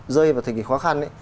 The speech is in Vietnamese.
rơi vào thời kỳ khó khăn